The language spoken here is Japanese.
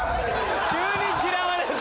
急に嫌われて。